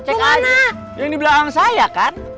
cek aja yang di belakang saya kan